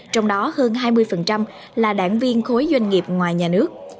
trong đó hơn hai mươi là đảng viên khối doanh nghiệp ngoài nhà nước